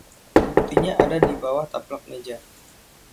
Buktinya ada di bawah taplak meja.